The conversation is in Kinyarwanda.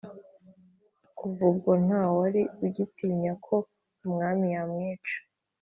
Kuva ubwo ntawari ugitinya ko umwami yamwica.